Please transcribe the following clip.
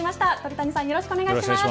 鳥谷さんよろしくお願いします。